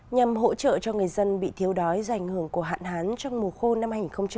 nhằm hỗ trợ cho người dân bị thiếu đói do ảnh hưởng của hạn hán trong mùa khô năm hai nghìn hai mươi